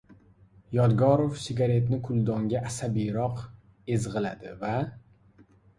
Yodgorov sigaretni kuldonga asabiyroq ezg‘iladi. Va...